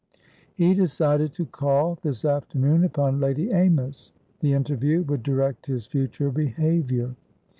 He decided to call, this afternoon, upon Lady Amys. The interview would direct his future behaviour.